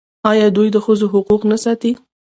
آیا دوی د ښځو حقوق نه ساتي؟